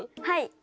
はい。